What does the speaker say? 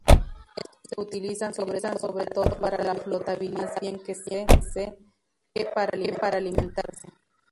Estos se utilizan sobre todo para la flotabilidad, más bien que para alimentarse.